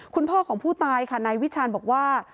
คุณพ่อของผู้ตายค่ะนายวิชาญบอกว่า